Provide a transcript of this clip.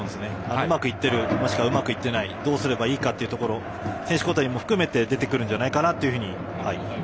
うまくいっている、いっていないどうすればいいかというところ選手交代も含めて出てくるんじゃないかなと。